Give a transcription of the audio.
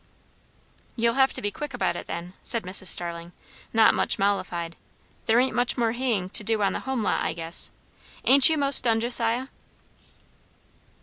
"You'll have to be quick about it, then," said Mrs Starling, not much mollified; "there ain't much more haying to do on the home lot, I guess. Ain't you 'most done, Josiah?"